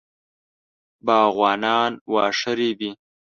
باغوانان واښه رېبي.